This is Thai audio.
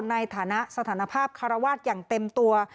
ในฐานะสถานภาพคารวาสอย่างเต็มตัว